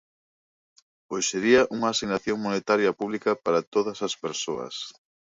Pois sería unha asignación monetaria pública para todas as persoas.